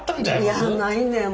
いやないねん。